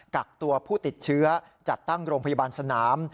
กักตัวผู้ติดเชื้อจัดตั้งโรงพยาบาลสนาม